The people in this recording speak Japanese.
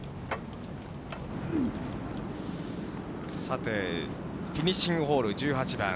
さて、フィニッシングホール１８番。